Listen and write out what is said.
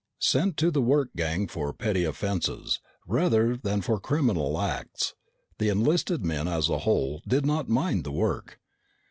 Sent to the work gang for petty offenses, rather than for criminal acts, the enlisted men as a whole did not mind the work.